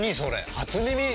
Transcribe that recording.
初耳！